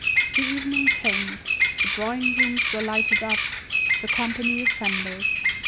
The evening came, the drawing rooms were lighted up, the company assembled.